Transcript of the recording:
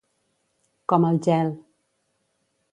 Com el gel.